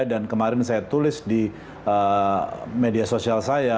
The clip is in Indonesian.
dan kemarin saya tulis di media sosial saya